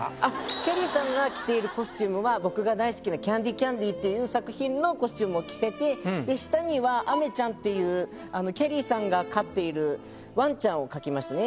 きゃりーさんが着ているコスチュームは僕が大好きな「ＣＡＮＤＹＣＡＮＤＹ」っていう作品のコスチュームを着せて下にはあめちゃんっていうきゃりーさんが飼っているわんちゃんを描きましたね。